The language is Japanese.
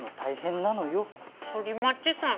反町さん